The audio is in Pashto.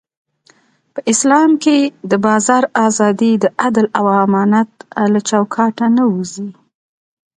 په اسلام کې د بازار ازادي د عدل او امانت له چوکاټه نه وځي.